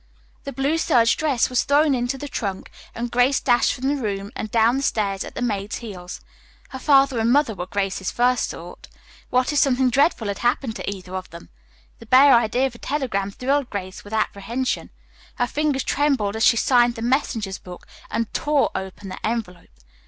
The blue serge dress was thrown into the trunk, and Grace dashed from the room and down the stairs at the maid's heels. Her father and mother were Grace's first thought. What if something dreadful had happened to either of them! The bare idea of a telegram thrilled Grace with apprehension. Her fingers trembled as she signed the messenger's book and tore open the envelope.